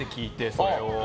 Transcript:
それを。